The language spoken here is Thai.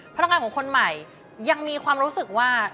พนักงานของคนใหม่ยังมีความรู้สึกว่า